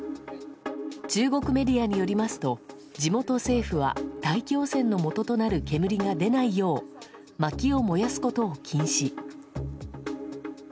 中国メディアによりますと地元政府は大気汚染のもととなる煙が出ないようまきを燃やすことを禁止。